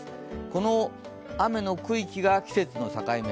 この雨の区域が季節の境目。